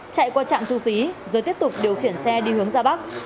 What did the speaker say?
chạy qua trạm thu phí rồi tiếp tục điều khiển xe đi hướng ra bắc